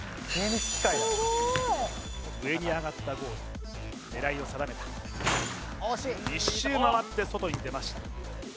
すごい上に上がったゴール狙いを定めた１周回って外に出ました